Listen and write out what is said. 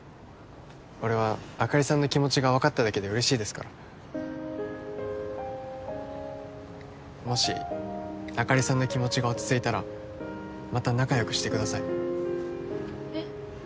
俺はあかりさんの気持ちが分かっただけで嬉しいですからもしあかりさんの気持ちが落ち着いたらまた仲よくしてくださいえっ？